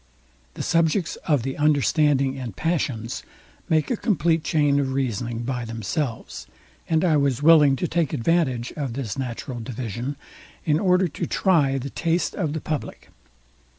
The subjects of the Understanding and Passions make a compleat chain of reasoning by themselves; and I was willing to take advantage of this natural division, in order to try the taste of the public.